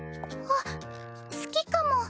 あっ好きかも。